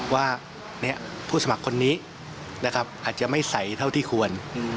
ว่าผู้สมัครคนนี้อาจจะไม่ใสเท่าที่ควร